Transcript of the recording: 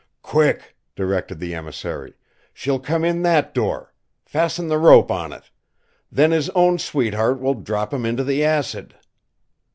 "Quick!" directed the emissary. "She'll come in that door. Fasten the rope on it. Then his own sweetheart will drop him into the acid!"